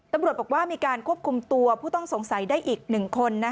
ตำรวจบอกว่ามีการควบคุมตัวผู้ต้องสงสัยได้อีก๑คน